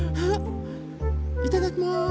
いただきます。